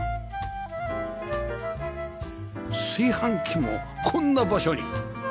炊飯器もこんな場所に